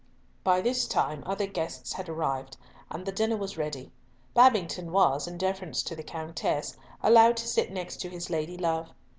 By this time other guests had arrived, and the dinner was ready. Babington was, in deference to the Countess, allowed to sit next to his lady love.